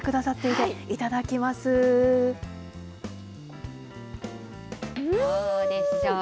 どうでしょう。